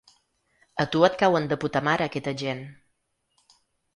A tu et cauen de puta mare aquesta gent.